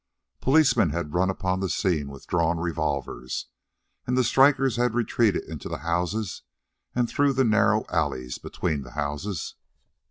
Policemen had run upon the scene with drawn revolvers, and the strikers had retreated into the houses and through the narrow alleys between the houses.